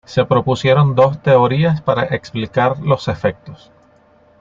Se propusieron dos teorías para explicar los efectos.